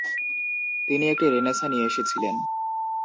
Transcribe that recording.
তিনি একটি রেনেসাঁ নিয়ে এসেছিলেন।